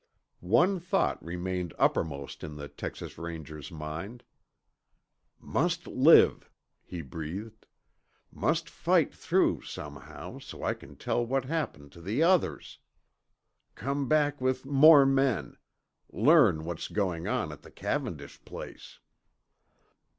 One thought remained uppermost in the Texas Ranger's mind. "Must live," he breathed, "must fight through somehow so I can tell what happened to the others. Come back with more men learn what's going on at the Cavendish place."